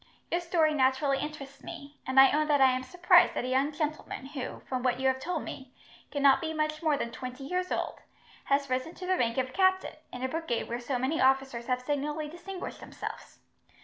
Your story naturally interests me, and I own that I am surprised that a young gentleman who, from what you have told me, cannot be much more than twenty years old, has risen to the rank of captain, in a brigade where so many officers have signally distinguished themselves.